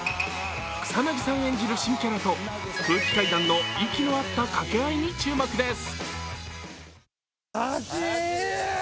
草なぎさん演じる新キャラと空気階段の息の合った掛け合いに注目です。